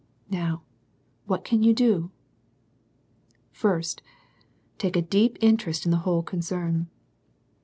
Now what can you do ? I St. Take a deep interest in the whole concern.